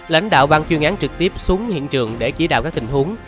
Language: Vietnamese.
lãnh đạo bang chuyên án trực tiếp xuống hiện trường để chỉ đạo các tình huống